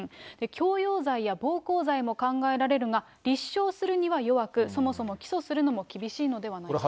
強要罪や暴行罪も考えられるが、立証するには弱く、そもそも起訴するのも厳しいのではないか。